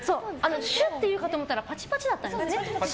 シュッていうかと思ったらパチパチだったんだよね。